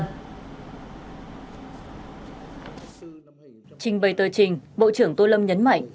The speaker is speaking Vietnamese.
trình bày tờ trình bộ trưởng tô lâm nhấn mạnh